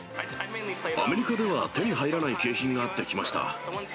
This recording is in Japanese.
アメリカでは手に入らない景品があって来ました。